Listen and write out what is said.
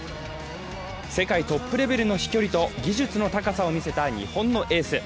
世界トップレベルの飛距離と技術の高さを見せた日本のエース。